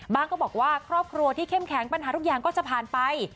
ก็บอกว่าครอบครัวที่เข้มแข็งปัญหาทุกอย่างก็จะผ่านไป